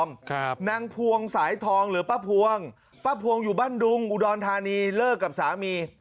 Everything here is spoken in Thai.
ครับนางพวงสายทองหรือป้าพวงป้าพวงอยู่บ้านดุงอุดรธานีเลิกกับสามี